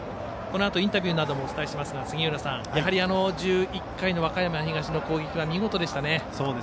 このあとインタビューなどもお伝えしますが杉浦さん、やはり１１回の和歌山東の攻撃が見事でしたね。